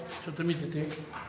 ちょっと見てて。